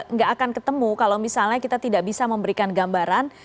nggak akan ketemu kalau misalnya kita tidak bisa memberikan gambaran